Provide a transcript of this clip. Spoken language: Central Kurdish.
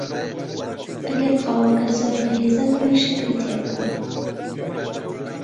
ئەگەر قاوەکەت زۆر بەهێزە، بڕێک شەکری تێ بکە.